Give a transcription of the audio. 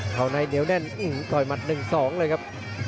เข้าในเหนียวแน่นต่อยหมัด๑๒เลยครับ